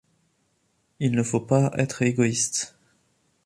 Il ne faut pas être égoïstes.